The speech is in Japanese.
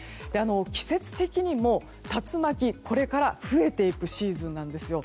季節的にも竜巻、これから増えていくシーズンなんですよ。